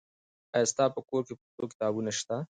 آیا ستا په کور کې پښتو کتابونه سته؟